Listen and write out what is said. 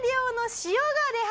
塩？